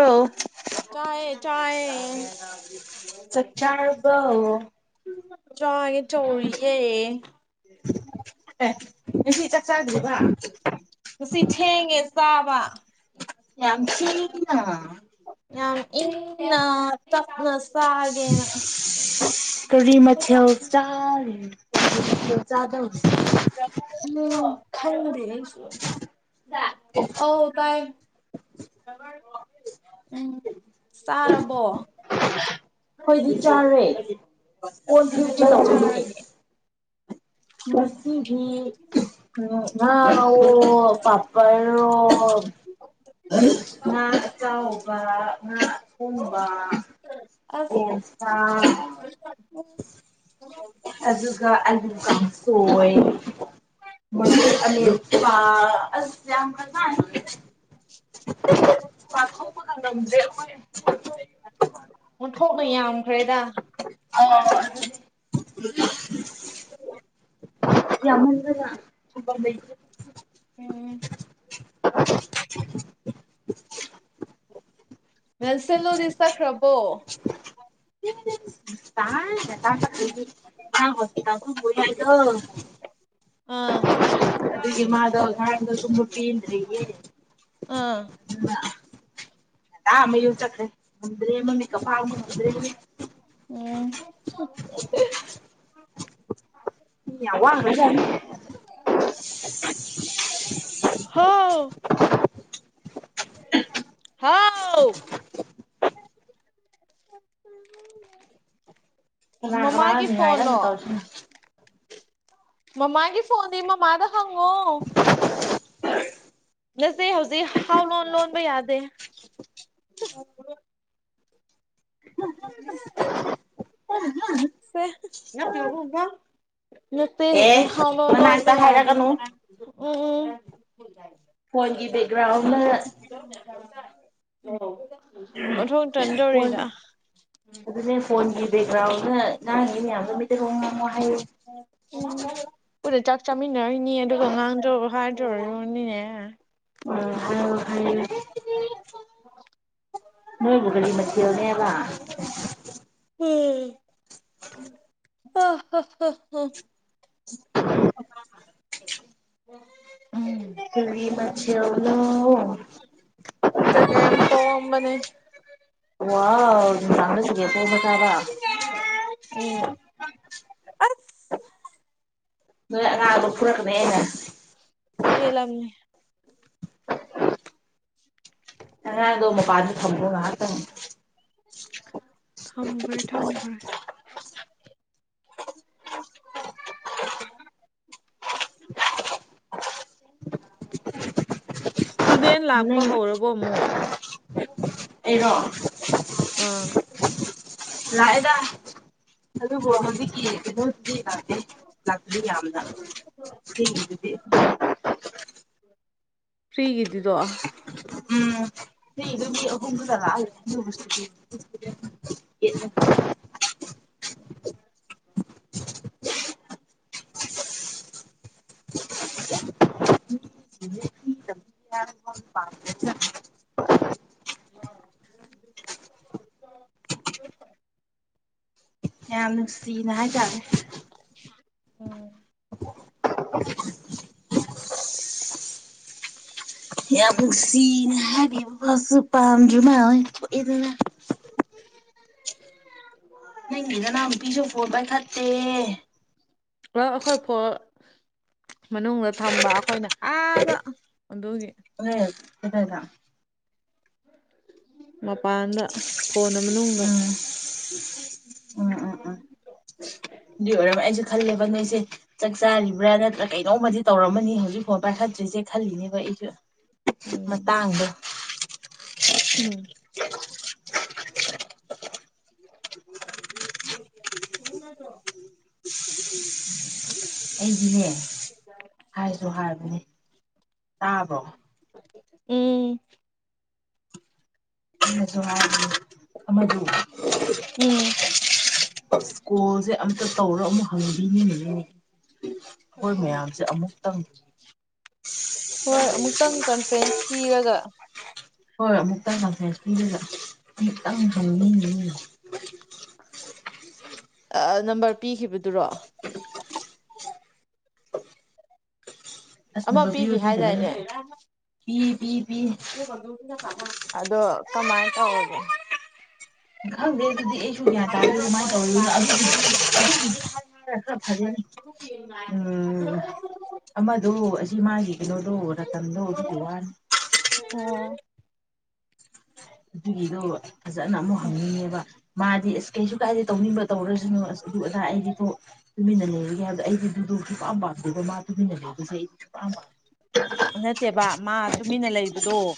ꯑꯧ ꯆꯥꯏꯑ ꯆꯥꯏꯑꯌꯦ ꯆꯥꯛ ꯆꯥꯔꯕꯣ ꯆꯥꯏꯉꯦ ꯆꯧꯔꯤꯌꯦꯦ ꯑꯦ ꯉꯁꯤ ꯆꯥꯛ ꯆꯥꯗ꯭ꯔꯤꯕ ꯉꯁꯤ ꯊꯦꯡꯉꯦ ꯆꯥꯕ ꯌꯥꯝꯁꯤ ꯌꯥꯝ ꯏꯪꯅ ꯇꯞꯅ ꯆꯥꯒꯦꯅ ꯀꯔꯤ ꯃꯊꯦꯜ ꯆꯥ ꯆꯥꯗ ꯑ ꯈꯔꯕꯨꯗ ꯑꯣ ꯇꯥꯏ ꯎꯝ ꯆꯥꯔꯕꯣ ꯑꯩꯣꯏꯗꯤ ꯆꯥꯔꯦ ꯀꯩ ꯃꯊꯦꯜ ꯆꯥꯔꯒꯦ ꯃꯁꯤ ꯃꯤ ꯎ ꯉꯥꯣ ꯄꯥꯄꯔꯣ ꯉꯥ ꯆꯥꯎꯕ ꯉꯥ ꯈꯣꯡꯕ ꯑꯁ ꯌꯦ ꯑꯗꯨꯒ ꯀꯣꯏ ꯑ ꯑꯁ ꯌꯥꯝꯅꯉ ꯄꯥꯊꯣꯛꯄꯒ ꯉꯝꯗ꯭ꯔꯦ ꯑꯩꯈꯣꯏ [unintelligible] ꯑꯣꯟꯊꯣꯛꯅ ꯌꯥꯝꯈ꯭ꯔꯦꯗ [unintelligible] ꯌꯥꯝꯃꯟꯕ ꯖꯥꯠꯅꯤ ꯊꯝꯕꯝ ꯂꯩꯇ꯭ꯔꯦ꯫ ꯎꯝ [unintelligible] ꯃꯦꯟꯁꯤꯂꯨꯗꯤ ꯆꯠꯈ꯭ꯔꯕꯣ ꯇꯥꯍꯟ ꯉꯥꯡꯣ ꯇꯊꯕ ꯌꯥꯏꯗꯣ ꯑꯥ ꯑꯗꯨꯒꯤ ꯃꯥꯗꯣ ꯉꯔꯥꯡꯗꯣ ꯊꯨꯝꯕ ꯄꯦꯟꯗ꯭ꯔꯌꯦ ꯑꯥ ꯑꯗꯨꯒ ꯗꯥ ꯃꯌꯨꯝ ꯆꯠꯈꯔꯦ ꯗ꯭ꯔꯦ ꯃꯃꯤꯠꯀ ꯄꯥꯡ ꯉꯝꯗ꯭ꯔꯦ ꯎꯝ ꯌꯥꯝ ꯋꯥꯒꯔꯥꯖꯥꯠꯅꯤ ꯍꯥꯎ ꯍꯥꯎ ꯀꯅꯥ ꯀꯅꯥꯅꯣ ꯃꯃꯥꯒꯤ ꯅꯤꯉꯥꯏ ꯀꯟꯅ ꯐꯣꯟꯂꯣ ꯇꯧꯔꯤꯁꯤꯅ ꯃꯃꯥꯒꯤ ꯐꯣꯟꯗꯤ ꯃꯃꯥꯗ ꯍꯣꯉꯣ ꯅꯁꯦ ꯍꯧꯖꯤꯛ ꯍꯥꯎ ꯂꯣꯟ ꯂꯣꯟꯕ ꯌꯥꯗꯦ ꯁꯦ ꯄꯤꯔꯎꯒ ꯅꯆꯦ ꯑꯦ ꯍꯖꯥꯛꯗ ꯍꯥꯎ ꯂꯣꯟ ꯃꯅꯥꯛꯇ ꯂꯤꯟꯕ ꯌꯥꯗꯦ ꯍꯥꯏꯔꯛꯀꯅꯨ ꯎꯝ ꯎꯝ ꯐꯣꯟꯒꯤ ꯕꯦꯛꯒ꯭ꯔꯥꯎꯟꯗ ꯍꯦ [inaudible] ꯑꯣ ꯐꯣꯟ ꯑꯗꯨꯅꯦ ꯐꯣꯟꯒꯤ ꯕꯦꯛꯒ꯭ꯔꯥꯎꯟꯗ ꯉꯥꯡꯏ ꯃꯌꯥꯝꯗꯣ ꯃꯩꯇꯩꯂꯣꯟ ꯉꯥꯡꯃꯣ ꯍꯥꯏꯌꯨ ꯎꯅ ꯆꯥꯛ ꯆꯥꯃꯤꯟꯅꯔꯤꯏꯅꯤ ꯑꯗꯨꯒ ꯉꯥꯡꯗꯣꯔ ꯍꯥꯏꯗꯣꯏꯔꯨꯅꯤꯅꯦ ꯎꯝ ꯎꯝ ꯎꯝ ꯃꯣꯏꯕꯨꯒꯔꯤ ꯃꯊꯦꯜꯅꯦꯕ [unintelligible] ꯑ ꯍ ꯍ ꯍ ꯎ ꯎꯝ ꯀꯔꯤ ꯃꯊꯦꯜꯅꯣ ꯆꯒꯦꯝ ꯄꯣꯝꯕꯅꯦ ꯋꯥꯎ ꯅꯨꯡꯗꯥꯡꯗ ꯆꯒꯦꯝ ꯄꯣꯝꯕ ꯆꯥꯕ ꯎꯝ ꯑꯥꯔꯠ ꯑꯗꯩ ꯑꯅꯥꯕ ꯐꯨꯔꯀꯅꯤ ꯑꯩꯅ ꯄꯦ ꯂꯝꯅꯤ ꯑꯉꯥꯡꯗꯣ ꯃꯄꯥꯥꯟꯗ ꯊꯝꯒꯣ ꯉꯍꯥꯛꯇꯪ ꯊꯝꯈ꯭ꯔꯦ ꯊꯝꯈ꯭ꯔꯦ [inaudible] ꯇꯨꯗꯦꯟ ꯂꯥꯛꯄ ꯅꯪ ꯍꯧꯔꯕꯣ ꯑꯃꯨꯛ ꯑꯣ ꯑꯦꯔꯣ ꯑꯥ ꯂꯥꯏꯗ ꯑꯗꯨꯕꯨꯣ ꯍꯧꯖꯤꯛ ꯀ ꯑꯗꯨꯦ ꯂꯗꯤ ꯌꯥꯝꯅꯗꯤ ꯐ꯭ꯔꯔꯤꯒꯗꯗꯣ ꯑꯗꯨ ꯑꯍ ꯆ ꯌꯥ ꯌꯥꯝ ꯅꯨꯡꯁꯤꯅ ꯍꯥꯏ ꯇꯔꯦ ꯎꯝ [inaudible] ꯌꯥꯕꯨꯨꯁꯤꯅ ꯍꯥꯏꯒꯁ ꯄꯥꯝꯖꯃ ꯏꯅ ꯅꯪꯒꯤꯗꯅꯝ ꯄꯤꯁꯨ ꯐꯣꯔ ꯄꯥꯏ ꯊꯠꯇꯦ ꯄꯨꯂꯞ ꯑꯩꯈꯣꯏ ꯃꯅꯨꯡꯗ ꯊꯝꯕ ꯑꯩꯈꯣꯏꯅ ꯑꯥꯗ ꯑꯗꯨꯒꯤ ꯔꯦ ꯀꯇꯥꯏꯗ ꯃꯄꯥꯟꯗ ꯐꯣꯟ ꯃꯅꯨꯡꯗ ꯎꯝ ꯎꯝ ꯎꯝ ꯎꯝ ꯑꯗꯨꯏ ꯑꯣꯏꯔꯝꯃ ꯑꯩꯁꯨ ꯈꯜꯂꯦꯕ ꯅꯣꯏꯁꯦ ꯆꯥꯛ ꯆꯥꯔꯤꯕ꯭ꯔꯥ ꯅꯠꯇ꯭ꯔ ꯀꯩꯅꯣꯝꯃꯗꯤ ꯇꯧꯔꯝꯃꯅꯤ ꯍꯧꯖꯤꯛꯐꯥꯎ ꯄꯥꯏꯈꯠꯇ꯭ꯔꯤꯁꯦ ꯈꯜꯂꯤꯅꯦꯕ ꯑꯩꯁꯨ ꯎꯝ ꯃꯇꯥꯡꯗ ꯎꯝ [inaudible] ꯎꯝ ꯊꯗꯣ ꯑꯩꯗꯤꯅꯦ ꯍꯥꯏꯁꯨ ꯍꯥꯏꯕꯅꯦ ꯇꯥꯕ꯭ꯔꯣ ꯎꯝ ꯍꯁꯨ ꯊꯗꯨ ꯎꯝ ꯀꯣꯜꯁꯦ ꯑꯝꯇ ꯇꯧꯔꯣ ꯑꯃꯨꯛ ꯍꯪꯕꯤꯅꯤꯅꯦ ꯍꯣꯏ ꯑꯃꯨꯛꯇꯪ ꯀꯟꯐꯔꯦꯟꯁ ꯄꯤꯔꯒ ꯍꯣꯏ ꯍꯣꯏ ꯑꯃꯨꯛꯇꯪ ꯀꯟꯐꯔꯦꯟꯁ ꯄꯤꯗꯨꯒ ꯑꯃꯨꯛꯇꯪ ꯍꯟꯅꯤꯡ ꯅꯝꯕꯔ ꯄꯤꯈꯤꯕꯗꯨꯔꯣ ꯑꯁ ꯑꯃ ꯄꯤꯈꯤ ꯍꯥꯏꯗꯥꯏꯅꯦ ꯐ ꯐ ꯑꯣ ꯀꯗꯣꯒꯤꯅ ꯀꯥ ꯑꯗꯣ ꯀꯃꯥꯏꯅ ꯇꯧꯒꯦ ꯈꯪꯗꯦ ꯑꯗꯨꯗꯤ ꯑꯩꯁꯨ ꯒ꯭ꯌꯥꯟ ꯇꯥꯗꯦ ꯀꯃꯥꯏꯅ ꯑꯣ ꯇꯧꯔꯤꯅꯣꯔ ꯈꯔ ꯐꯔꯅꯤ ꯎꯝ ꯑꯃꯗꯣ ꯑꯁꯤ ꯃꯥꯒꯤ ꯀꯩꯅꯣꯗꯣ ꯃꯇꯝꯗꯣ ꯑꯗꯨꯒꯤ ꯋꯥꯅꯤ ꯑꯗꯨꯗ ꯐꯖꯅ ꯑꯃꯨꯛ ꯍꯪꯅꯤꯡꯉꯦꯕ ꯃꯥꯗꯤ ꯀꯩꯁꯨ ꯀꯥꯏꯗꯦ ꯇꯧꯅꯤꯡꯕ ꯇꯧꯔꯁꯅꯨ ꯑꯁ ꯑꯗꯨ ꯑꯗꯥ ꯑꯩꯒꯤꯗꯣ ꯇꯨꯃꯤꯟꯅ ꯂꯩꯔꯤꯒꯦꯕꯗꯣ ꯑꯩꯒꯤꯗꯤ [unintelligible] [unintelligible] [unintelligible] ꯎꯝ ꯅꯠꯇꯦꯕ ꯃꯥ ꯇꯨꯃꯤꯟꯅ ꯂꯩꯕꯗꯣ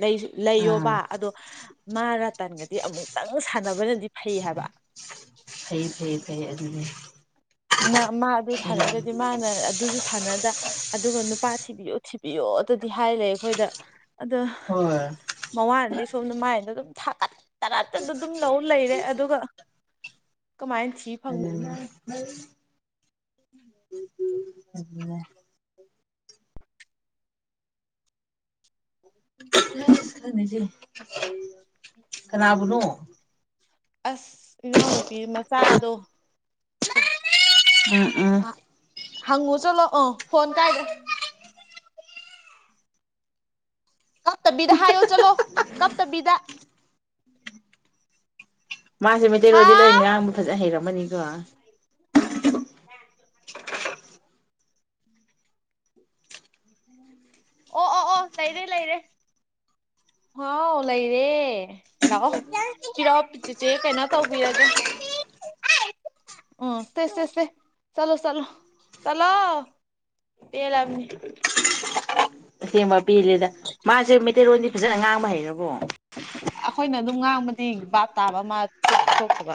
ꯂꯩ ꯂꯩꯌꯣꯕ ꯑꯗꯣ ꯃꯥꯔꯥ ꯇꯟꯒꯗꯤ ꯑꯃꯨꯛꯇꯪ ꯁꯥꯟꯅꯕꯅꯗꯤ ꯐꯩ ꯍꯥꯏꯕ ꯐꯩ ꯐꯩ ꯑꯗꯨꯅꯦ ꯃꯥ ꯑꯗꯨ ꯁꯥꯟꯅꯗ꯭ꯔꯗꯤ ꯃꯥꯅ ꯑꯗꯨꯁꯨ ꯁꯥꯟꯅꯗ ꯑꯗꯨꯒ ꯅꯨꯄꯥ ꯊꯤꯕꯤꯌꯣ ꯊꯤꯕꯤꯌꯣ ꯗꯗꯤ ꯍꯥꯏꯂꯩ ꯑꯩꯈꯣꯏꯗ ꯑꯗ ꯍꯣꯏ ꯃꯋꯥꯅꯥꯗꯤ ꯁꯣꯝꯗ ꯃꯥꯏꯗ ꯑꯗꯨꯝ ꯊꯒꯠꯇꯅꯗ ꯑꯗꯨꯝ [unintelligible] ꯂꯩꯔꯦ ꯑꯗꯨꯒ ꯀꯃꯥꯏꯅ ꯊꯤ ꯐꯪ ꯑꯗꯨꯅꯦ [unintelligible] [unintelligible] [inaudible] [unintelligible] [unintelligible] ꯀꯅꯥꯕꯨꯅꯣ ꯑꯁ ꯏꯅꯥꯎꯅꯨꯄꯤ ꯃꯆꯥꯗꯣ [unintelligible] ꯎꯝ ꯎꯝ ꯍꯪꯉꯨ ꯆꯠꯂꯣꯑꯣ ꯐꯣꯟ ꯀꯥꯏꯗ [unintelligible] ꯀꯞꯇꯕꯤꯗꯥ ꯍꯥꯏꯌꯣ ꯆꯠꯂꯣ ꯀꯞꯇꯕꯤꯗ ꯃꯥꯁꯦ ꯃꯩꯇꯩꯔꯣꯟꯗꯤ ꯂꯣꯏ ꯍꯥꯎ ꯉꯥꯡꯕ ꯐꯖ ꯍꯩꯔꯝꯃꯅꯤꯀꯣ [unintelligible] [unintelligible] ꯑꯣ ꯑꯣ ꯑꯣ ꯂꯩꯔꯦ ꯂꯩꯔꯦ ꯍꯥꯎ ꯂꯩꯔꯦ ꯂꯥꯛꯑꯣ ꯄꯤꯔꯣ ꯆꯦꯆꯦ ꯀꯩꯅꯣ ꯇꯧꯕꯤꯔꯒꯦ ꯎꯝ ꯁꯦ ꯁꯦ ꯁꯦ ꯆꯠꯂꯣ ꯆꯠꯂꯣ ꯆꯠꯂꯣ ꯄꯦꯜꯂꯕꯅꯤ [unintelligible] ꯄꯦꯜꯂꯦꯗꯥ ꯃꯥꯁꯦ ꯔꯣꯟꯗꯤ ꯐꯖꯅ ꯉꯥꯡꯕ ꯍꯩ ꯑꯩꯈꯣꯏꯅ ꯑꯗꯨꯝ ꯉꯥꯡꯕ ꯗꯤ ꯕꯥꯞ ꯇꯥꯕ ꯃꯥ ꯊꯣꯛꯇꯤ ꯊꯣꯛꯇꯕ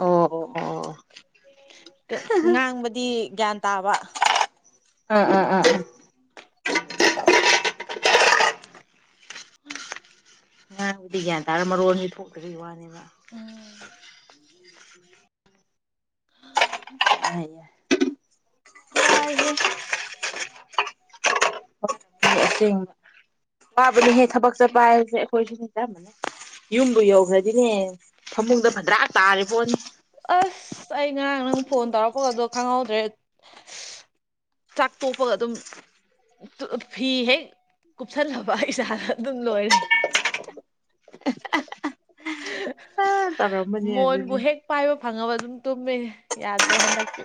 ꯑꯣ ꯑꯣ ꯑꯣ ꯉꯥꯡꯕꯗꯤ ꯒ꯭ꯌꯥꯟ ꯇꯥꯕ ꯑꯥ ꯑꯥ ꯑꯥ ꯑꯥ [unintelligible] ꯒ꯭ꯌꯥꯟ ꯇꯥꯔꯥ ꯃꯔꯣꯟꯗꯤ ꯊꯣꯛꯇꯥꯕꯩ ꯋꯥꯅꯦꯕ ꯎꯝ [unintelligible] [unintelligible] ꯋꯥꯏꯍꯦ ꯑꯁꯦꯡꯕ ꯋꯥꯕꯅꯦꯍꯦ ꯊꯕꯛ ꯆꯠꯄ ꯍꯥꯏꯕꯁꯦ ꯑꯩꯈꯣꯏꯁꯨ ꯆꯝꯕꯅꯦ ꯌꯨꯝꯕꯨ ꯌꯧꯈ꯭ꯔꯗꯤꯅꯦ ꯐꯃꯨꯡꯗ ꯐꯗ꯭ꯔꯥꯛ ꯇꯥꯔꯦ ꯄꯣꯠꯅꯤ ꯑꯁ ꯑꯩ ꯉꯔꯥꯡ ꯅꯪ ꯐꯣꯟ ꯇꯧꯔꯛꯄꯒꯗꯣ ꯈꯪꯍꯧꯗ꯭ꯔꯦ ꯆꯥꯛ ꯇꯣꯛꯄꯒ ꯑꯗꯨꯝ ꯐꯤ ꯍꯦꯛ ꯀꯨꯞꯁꯜꯂꯕ ꯏꯁꯥꯗ ꯑꯗꯨꯝ ꯂꯣꯏꯔꯦ ꯑꯥ ꯇꯧꯔꯝꯃꯅꯤ [inaudible] ꯃꯣꯟꯕꯨ ꯑꯗꯨꯗꯤ ꯍꯦꯛ ꯄꯥꯏꯕ ꯐꯪꯉꯕ ꯑꯗꯨꯝ ꯇꯨꯝꯃꯤꯃꯦ ꯌꯥꯗ꯭ꯔꯦ ꯍꯟꯗꯛꯇ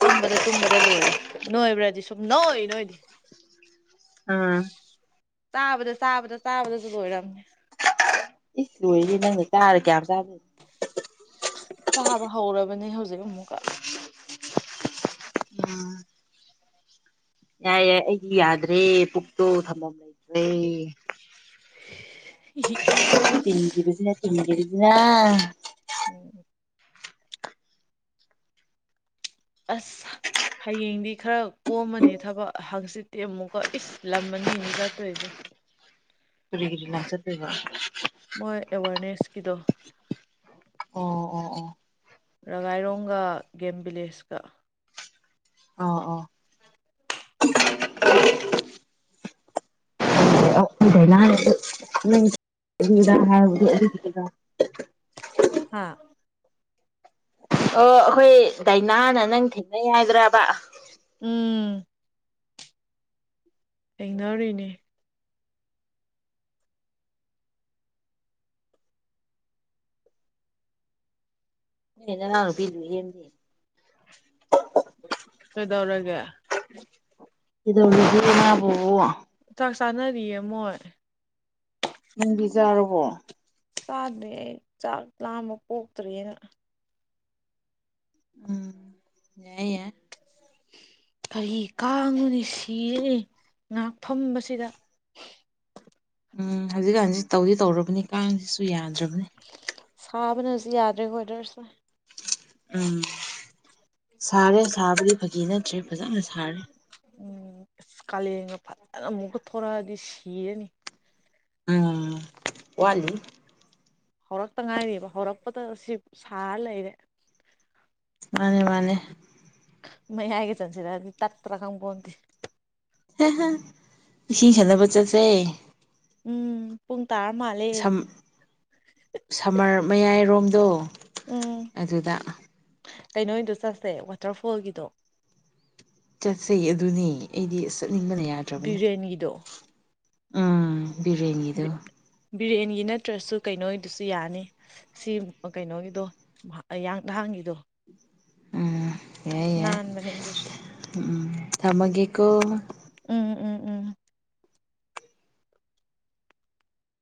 ꯇꯨꯝꯕꯗ ꯇꯨꯝꯕꯗ ꯂꯣꯏꯔꯦ ꯅꯣꯏꯕ꯭ꯔꯥꯗꯤ ꯁꯨꯝ ꯅꯣꯏ ꯅꯣꯏꯗꯤ ꯑꯥ ꯆꯥꯕꯗ ꯆꯥꯕꯗ ꯆꯥꯕꯗꯁꯨ ꯂꯣꯏꯔꯝꯅꯦ ꯀ ꯂꯣꯏꯁꯦ ꯅꯪꯅ ꯆꯥꯔꯦ ꯀꯌꯥ ꯆꯥꯗꯦ ꯁꯥꯥꯕ ꯍꯧꯔꯕꯅꯦ ꯍꯧꯖꯤꯛ ꯑꯃꯨꯛꯀ ꯌꯥꯏ ꯌꯥꯏ ꯑꯩꯗꯤ ꯌꯥꯗ꯭ꯔꯦ ꯄꯨꯛꯇꯣ ꯊꯝꯐꯝ ꯂꯩꯇ꯭ꯔꯦ ꯇꯤꯟꯒꯤꯖꯤꯅ ꯇꯤꯟꯒꯤꯗꯤ ꯌꯥ ꯎꯝ ꯑꯁ ꯍꯌꯦꯡꯗꯤ ꯈꯔ ꯀꯣꯝꯃꯅꯤ ꯊꯕꯛ ꯍꯪꯆꯤꯠꯇꯤ ꯑꯃꯨꯛꯀ ꯏꯁ ꯂꯝ ꯑꯅꯤꯅꯤ ꯆꯠꯇꯣꯏꯁꯦ ꯇꯔꯤꯒꯤꯔꯤ ꯅꯆꯗꯦꯕ ꯀꯗꯣ ꯑꯣ ꯑꯣ ꯑꯣ ꯔꯒꯥꯏꯔꯣꯡꯒ ꯒꯦꯝ ꯚꯕꯤꯂꯦꯁꯀ ꯑꯣ ꯑꯣ ꯏꯗ ꯂꯗ ꯍꯥꯏ ꯍꯥꯥ ꯑꯣ ꯑꯩꯈꯣꯏ ꯗꯥꯏꯅꯥꯅ ꯅꯪ ꯊꯦꯡꯅꯩ ꯍꯥꯏꯗ꯭ꯔꯕ ꯎꯝ ꯊꯦꯡꯅꯔꯤꯅꯦ ꯄꯤꯂꯨꯗꯤ ꯀꯩꯗꯧꯔꯒꯦ ꯏꯣꯅꯕ ꯆꯥꯛ ꯆꯥꯅꯔꯤꯌꯦ ꯃꯣꯏ ꯌꯦꯪꯕꯤꯖꯥꯔꯕꯣ ꯆꯥꯗ꯭ꯔꯦ ꯑꯩ ꯆꯥꯛ ꯂꯥꯃ ꯄꯣꯛꯇ꯭ꯔꯔꯤꯦꯅ ꯎꯝ ꯌꯥꯏ ꯌꯥ ꯀꯔꯤ ꯀꯥꯡꯉꯨꯅꯤ ꯁꯤꯔꯅꯤ ꯉꯍꯥꯛ ꯐꯕꯁꯤꯗ ꯎꯝ ꯍꯧꯖꯤꯛꯀꯥꯟꯖꯤꯛ ꯇꯧꯗꯤ ꯇꯧꯔꯕꯅꯤ ꯀꯥꯡꯁꯤꯁꯨ ꯌꯥꯗ꯭ꯔꯕ ꯃꯅꯦ ꯁꯥꯕꯅꯁꯨ ꯌꯥꯗ꯭ꯔꯦꯀꯣꯗꯔꯁ ꯎꯝ ꯁꯔꯦ ꯁꯥꯕꯔꯤ ꯐꯥꯒꯤ ꯅꯠꯇ꯭ꯔꯦ ꯐꯖꯅ ꯁꯥꯔꯦ ꯎꯝ ꯑꯁ ꯀꯥꯂꯦꯟꯒ ꯐꯖꯅ ꯑꯃꯨꯛꯀ ꯊꯣꯔꯛꯑꯗꯤ ꯁꯤꯔꯅꯤ ꯑ ꯋꯥꯋꯥꯂꯤ ꯍꯧꯔꯛꯇ ꯉꯥꯏꯔꯤꯔꯤꯕ ꯍꯧꯔꯛꯄꯗ ꯁꯤ ꯁꯥꯔ ꯂꯩꯔꯦ ꯃꯥꯅꯦ ꯃꯥꯅꯦ ꯃ ꯍꯥꯏꯒꯦ ꯆꯪꯁꯤꯔꯗꯤ ꯇꯠꯇ꯭ꯔ ꯀꯝ ꯀꯟꯦ ꯍ ꯍꯥ ꯈꯥꯟꯅꯕꯅꯕ ꯆꯁꯦ ꯎꯝꯨꯡ ꯁꯝ ꯁꯝꯃꯔ ꯃꯌꯥꯏꯔꯣꯝꯗꯣ ꯑꯗꯨꯗ ꯀꯩꯅꯣꯗꯣ ꯆꯠꯁꯦ ꯋꯥꯇꯔꯐꯣꯜꯒꯤꯗꯣ ꯆꯠꯆꯩ ꯑꯗꯨꯅꯦ ꯑꯩꯗꯤ ꯑꯁ ꯕꯤꯔꯌꯥꯅꯤꯗꯣ ꯕꯤꯔꯌꯥꯅꯤꯗ ꯕꯤꯔꯌꯥꯅꯤꯒꯤ ꯅꯠꯇ꯭ꯔꯁꯨ ꯀꯩꯅꯣꯒꯤꯗꯨꯁꯨ ꯌꯥꯅꯤ ꯁꯤ ꯀꯩꯅꯣꯒꯤꯗꯣꯡ ꯅꯍꯥꯟꯒꯤꯗꯣ ꯎꯝ ꯑꯦ ꯌꯥ ꯅꯥꯟꯕꯅꯦ ꯑꯗꯨꯁꯨ ꯎꯝ ꯊꯃꯒꯀꯣ ꯎꯝ ꯎꯝ ꯎꯝ